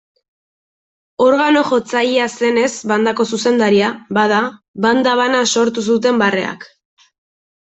Organo-jotzailea zenez bandako zuzendaria, bada, banda bana sortu zuten barreak.